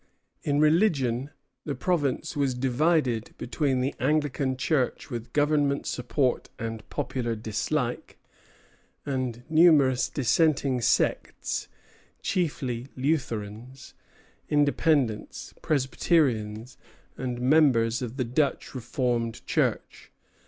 In religion, the province was divided between the Anglican Church, with government support and popular dislike, and numerous dissenting sects, chiefly Lutherans, Independents, Presbyterians, and members of the Dutch Reformed Church.